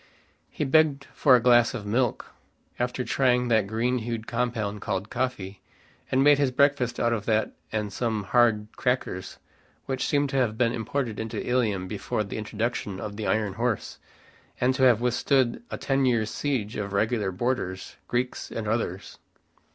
He begged for a glass of milk, after trying that green hued compound called coffee, and made his breakfast out of that and some hard crackers which seemed to have been imported into Ilium before the introduction of the iron horse, and to have withstood a ten years siege of regular boarders, Greeks and others.